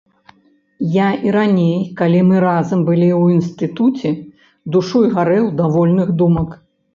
Я і раней, калі мы разам былі ў інстытуце, душой гарэў да вольных думак.